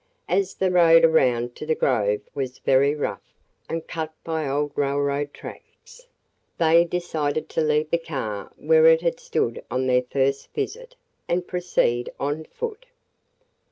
As the road around to the grove was very rough and cut by old railroad tracks, they decided to leave the car where it had stood on their first visit and proceed on foot.